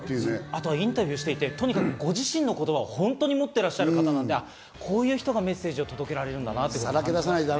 あと、インタビューしていて、ご自身の言葉を本当に持ってらっしゃる方、こういう方がメッセージを届けられるんだなと思いました。